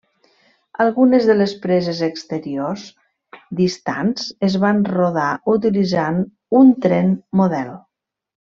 Algunes de les preses exteriors distants es van rodar utilitzant un tren model.